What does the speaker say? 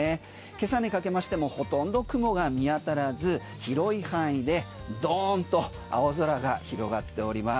今朝にかけましてもほとんど雲が見当たらず広い範囲でドーンと青空が広がっております。